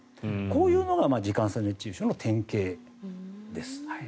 こういうのが時間差熱中症の典型です。